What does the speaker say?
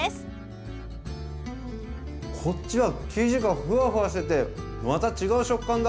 こっちは生地がフワフワしててまた違う食感だ！